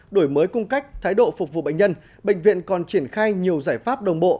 đổi mới cung cách thái độ phục vụ bệnh nhân bệnh viện còn triển khai nhiều giải pháp đồng bộ